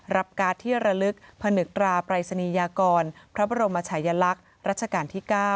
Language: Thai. รับการ์ดที่ระลึกผนึกตราปรายศนียากรพระบรมชายลักษณ์รัชกาลที่๙